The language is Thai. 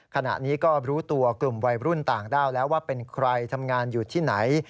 ขณะนี้ก็รู้ตัวกลุ่มวัยรุ่นต่างด้าวแล้วว่าเป็นใครทำงานอยู่ที่ไหน